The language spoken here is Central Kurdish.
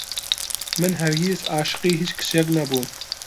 من هەرگیز عاشقی هیچ کچێک نەبووم.